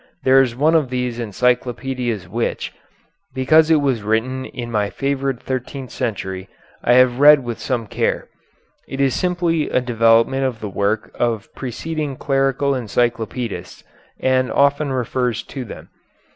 There is one of these encyclopedias which, because it was written in my favorite thirteenth century, I have read with some care. It is simply a development of the work of preceding clerical encyclopedists, and often refers to them.